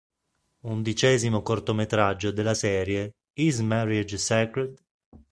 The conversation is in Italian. Undicesimo cortometraggio della serie "Is Marriage Sacred?".